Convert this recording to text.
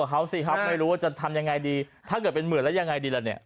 เขาสิครับไม่รู้ว่าจะทำยังไงดีถ้าเกิดเป็นหมื่นแล้วยังไงดีล่ะเนี่ย